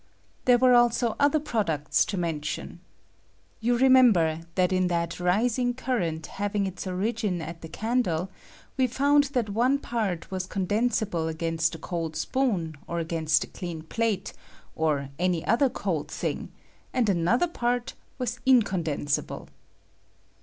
There were also other products to mention. You remember that in that rising current having its origin at the candle we found that one part condensable against a cold spoon, or against J PRODUCTS FROM THE CANDLE. 65 a clean plate, or any other cold thing, and an other part was incondensable.